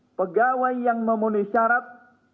sebagai pegawai yang memenuhi syarat